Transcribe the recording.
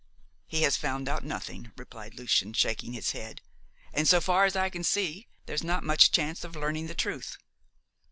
"He has found out nothing," replied Lucian, shaking his head, "and, so far as I can see, there's not much chance of learning the truth."